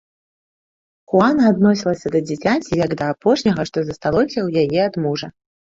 Хуана адносілася да дзіцяці, як да апошняга, што засталося ў яе ад мужа.